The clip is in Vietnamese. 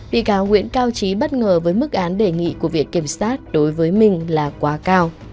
bị cao nguyễn cao trí bất ngờ với mức án đề nghị của việc kiểm soát đối với mình là quá cao